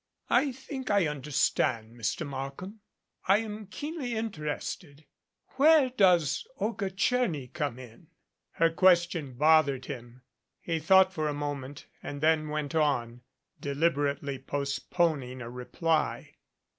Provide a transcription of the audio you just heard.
"I think I understand, Mr. Markham. I am keenly interested. Where does Olga Tcherny come in?" Her question bothered him. He thought for a mo ment, and then went on, deliberately postponing a reply.